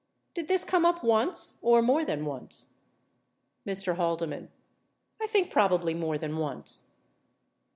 Did this come up once or more than once? Mr. Haldeman. I think probably more than once.